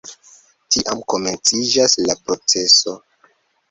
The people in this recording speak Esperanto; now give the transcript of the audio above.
Tiam komenciĝas la proceso.